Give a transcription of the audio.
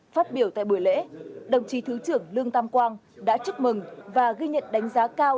phát biểu tại buổi lễ đồng chí thứ trưởng lương tam quang đã chúc mừng và ghi nhận đánh giá cao